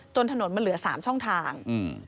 ถนนมันเหลือ๓ช่องทาง